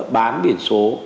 bán biển số